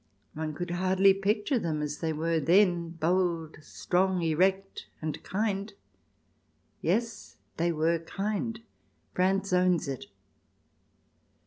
One could hardly picture them as they were then, bold, strong, erect, and kind. Yes, they were kind : France owns it.